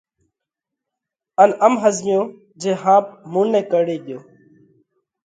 ان ام ۿزميو جي ۿاپ مُون نئہ ڪرڙي ڳيوه۔